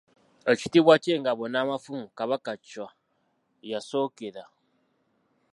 Ekitiibwa eky'Engabo n'Amafumu Kabaka Chwa ya- sookera.